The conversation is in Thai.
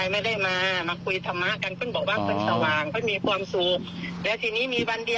จัดการมนต์จัดสวดมนต์อย่างไรเอาบทไหนสวด